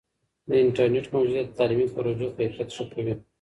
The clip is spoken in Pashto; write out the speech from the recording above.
د انټرنیټ موجودیت د تعلیمي پروژو کیفیت ښه کوي.